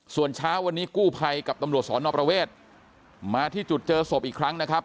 ส่วนเช้าวันนี้กู้ภัยกับตำรวจสอนอประเวทมาที่จุดเจอศพอีกครั้งนะครับ